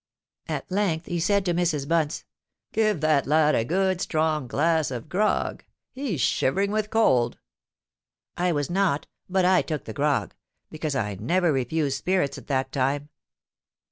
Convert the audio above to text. At length he said to Mrs. Bunce, 'Give that lad a good strong glass of grog: he's shivering with cold.'—I was not, but I took the grog, because I never refused spirits at that time.